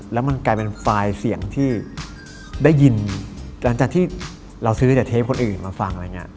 แล้วมันกลายเป็นไฟล์เสียงที่ได้ยินหลังจากที่เราซื้อจากเทปคนอื่นมาฟังอะไรอย่างนี้